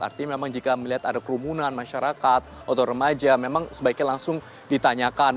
artinya memang jika melihat ada kerumunan masyarakat atau remaja memang sebaiknya langsung ditanyakan